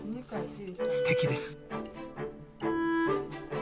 すてきです。